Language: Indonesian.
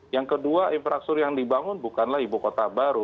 yang kedua infrastruktur yang dibangun bukanlah ibu kota baru